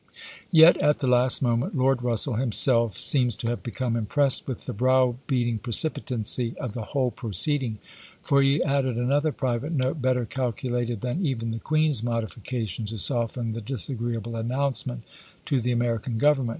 Yet at the last moment Lord Eussell himself seems to have become impressed with the browbeating precipitancy of the whole proceeding, for he added another private note, better calculated than even the Queen's modification to soften the disagreeable announcement to the American Gov ernment.